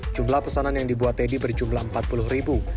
jumlah pesanan yang dibuat teddy berjumlah empat puluh ribu